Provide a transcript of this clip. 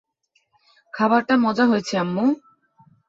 খাবারটা মজা হয়েছে, আম্মু।